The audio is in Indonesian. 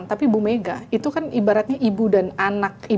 tapi bu mega itu kan ibaratnya ibu dan anak ibu